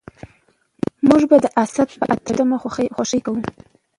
موږ به د اسد په اته ويشتمه خوښي کوو.